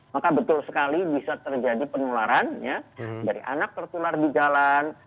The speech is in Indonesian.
maka betul sekali bisa terjadi penularan dari anak tertular di jalan